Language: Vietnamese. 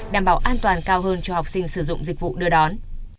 đảm bảo an toàn cao hơn cho học sinh sử dụng dịch vụ đưa đón